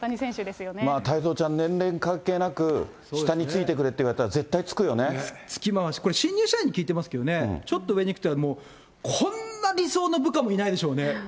太蔵ちゃん、年齢に関係なく、下についてくれって言われたら、つきますし、新入社員に聞いてますけど、ちょっと上にいくともう、こんな理想の部下もいないでしょうね。